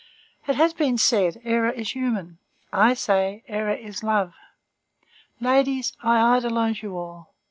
It has been said, error is human; I say, error is love. Ladies, I idolize you all.